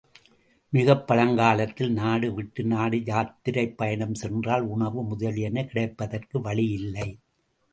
மிகப் பழங்காலத்தில் நாடு விட்டு நாடு யாத்திரை பயணம் சென்றால் உணவு முதலியன கிடைப்பதற்கு வழியில்லை.